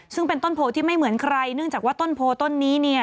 ซึ่งเป็นต้นโพที่ไม่เหมือนใครเนื่องจากว่าต้นโพต้นนี้เนี่ย